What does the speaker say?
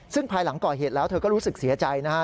ซึ่งภายหลังก่อเหตุแล้วเธอก็รู้สึกเสียใจนะฮะ